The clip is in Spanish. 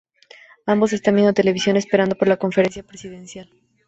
Ambos están viendo televisión, esperando por la conferencia presidencial.